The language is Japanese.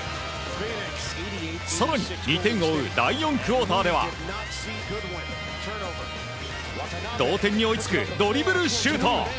更に２点を追う第４クオーターでは同点に追いつくドリブルシュート！